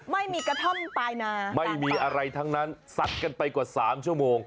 ไม่มีกระท่อมปลายนาไม่มีอะไรทั้งนั้นสัดกันไปกว่าสามชั่วโมง